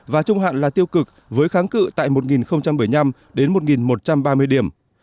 và trung hạn là tiêu cực với kháng cự tại một bảy mươi năm đến một một trăm ba mươi điểm